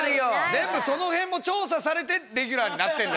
全部その辺も調査されてレギュラーになってんだよ。